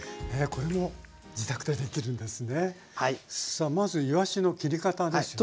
さあまずいわしの切り方ですよね。